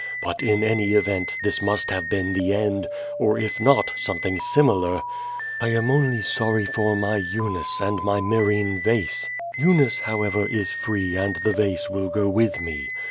But in any event this must have been the end, or if not some thing similar. I am only sorry for my Eunice and my Myr rhine vase. Eunice, however, is free and the vase will go with me.